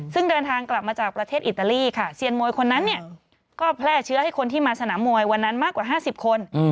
ซึ่งเดินทางกลับมาจากประเทศอิตาลีค่ะเซียนมวยคนนั้นเนี่ยก็แพร่เชื้อให้คนที่มาสนามมวยวันนั้นมากกว่า๕๐คน